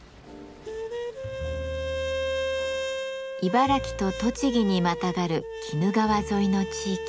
茨城と栃木にまたがる鬼怒川沿いの地域。